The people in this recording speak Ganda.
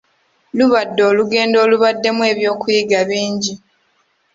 Lubadde olugendo olubaddemu eby'okuyiga bingi.